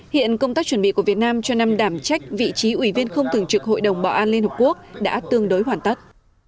hiện công tác chuẩn bị của việt nam cho năm đảm trách vị trí ủy viên không tưởng trực hội đồng bảo an liên hợp quốc đã tương đối hoàn tất